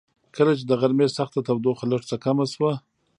کله چې د غرمې سخته تودوخه لږ څه کمه شوه.